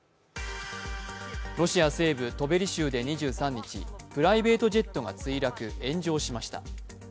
ロシア西部トベリ州で２３日、プライベートジェットが墜落、炎上しました。